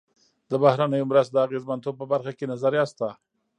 د بهرنیو مرستو د اغېزمنتوب په برخه کې نظریه شته.